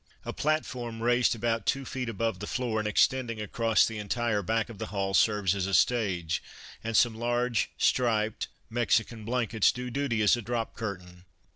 A platform raised about two feet above the floor and extending across the entire back of the hall serves as a stage, and some large, striped Mexican blankets do duty as a drop curtain.